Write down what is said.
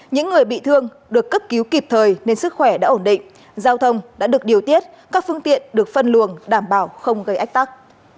những người bị thương được cấp cứu kịp thời nên sức khỏe đã ổn định giao thông đã được điều tiết các phương tiện được phân luồng đảm bảo không gây ách tắc